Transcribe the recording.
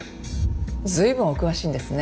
随分お詳しいんですね。